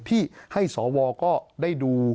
ที่ให้สวก็ได้ดู